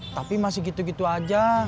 tapi masih gitu gitu aja